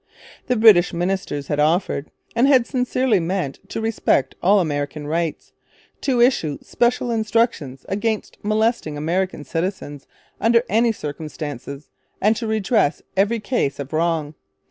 The British ministers had offered, and had sincerely meant, to respect all American rights, to issue special instructions against molesting American citizens under any circumstances, and to redress every case of wrong.